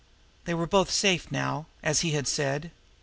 They were both safe now, as he had said.